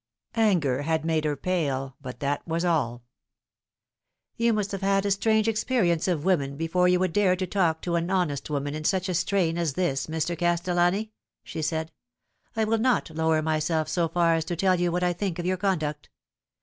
Anger had made her pale, but that was all " You must have had a strange experience of women before you would dare to talk to any honest woman in such a strain as this, Mr. Castellani," she said. " I will not lower myself so far as to tell you what I think of your conduct.